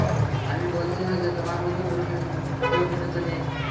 আমি বলছিনা যে, তোমার মধ্যে পুরুষত্বহীনতা নেই।